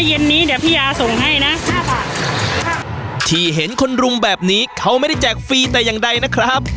เย็นนี้เดี๋ยวพี่ยาส่งให้นะห้าบาทค่ะที่เห็นคนรุมแบบนี้เขาไม่ได้แจกฟรีแต่อย่างใดนะครับ